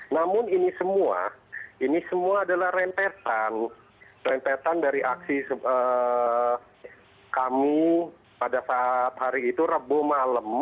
namun ini semua adalah rentetan dari aksi kami pada saat hari itu rebuh malam